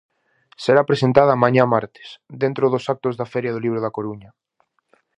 Será presentada mañá martes, dentro dos actos da Feira do libro da Coruña.